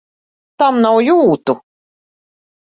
Tam nav jūtu!